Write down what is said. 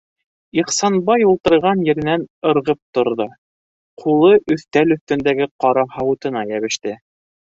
- Ихсанбай ултырған еренән ырғып торҙо, ҡулы өҫтәл өҫтөндәге ҡара һауытына йәбеште.